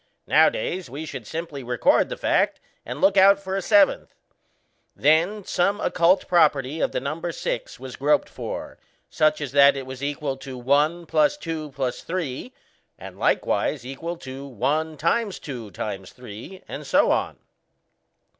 Nowadays, we should simply record the fact and look out for a seventh. Then, some occult property of the number six was groped for, such as that it was equal to 1 + 2 + 3 and likewise equal to 1 × 2 × 3, and so on.